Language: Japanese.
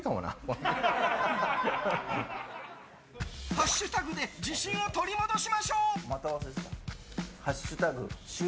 ハッシュタグで自信を取り戻しましょう。